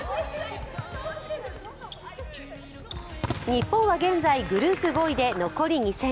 日本は現在、グループ５位で残り２戦。